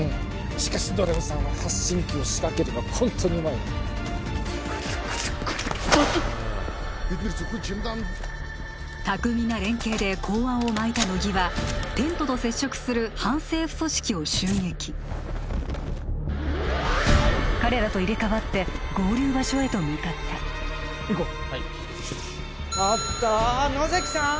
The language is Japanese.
しかしドラムさんは発信機を仕掛けるのがホントにうまいな巧みな連携で公安を撒いた乃木はテントと接触する反政府組織を襲撃彼らと入れ代わって合流場所へと向かった行こうはいおっと野崎さん